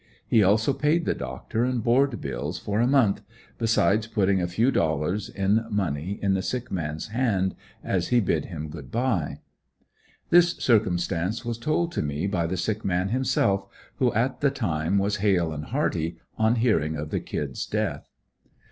He also paid the doctor and board bills for a month, besides putting a few dollars in money in the sick man's hand as he bid him good bye. This circumstance was told to me by the sick man himself, who at the time was hale and hearty, on hearing of the "Kid's" death.